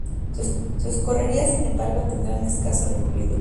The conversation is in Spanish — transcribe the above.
Sus correrías sin embargo tendrán escaso recorrido.